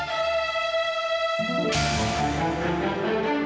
papa ditangkap polisi ma